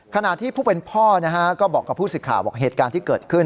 ขนาดที่ผู้เป็นพ่อก็บอกกับผู้ศึกขาวเหตุการณ์ที่เกิดขึ้น